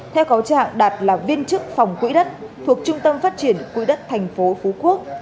theo cáo trạng đạt là viên chức phòng quỹ đất thuộc trung tâm phát triển quỹ đất tp phú quốc